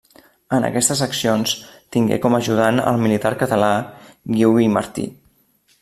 En aquestes accions tingué com ajudant el militar català, Guiu i Martí.